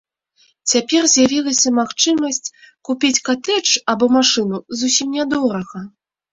Цяпер з'явілася магчымасць купіць катэдж або машыну зусім нядорага.